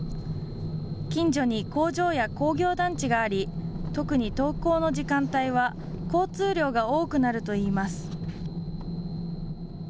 近所に工場や工業団地があり特に登校の時間帯は交通量が多くなるといいます。